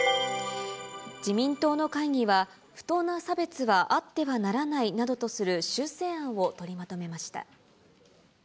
自民党の会議は、不当な差別はあってはならないとする修正案を取りまとめました。